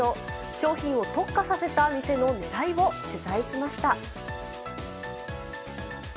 商品を特化させた店のねらいを取材しました。